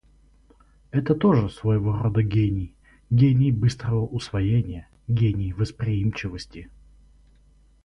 Это тоже своего рода гений, гений быстрого усвоения, гений восприимчивости.